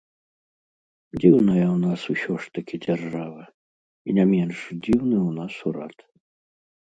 Дзіўная ў нас усё ж такі дзяржава, і не менш дзіўны ў нас урад.